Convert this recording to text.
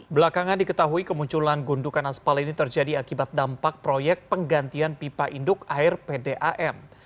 belakangan diketahui kemunculan gundukan aspal ini terjadi akibat dampak proyek penggantian pipa induk air pdam